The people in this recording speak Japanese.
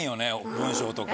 文章とか。